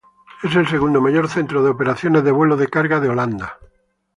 Es el segundo mayor centro de operaciones de vuelos de carga de Holanda.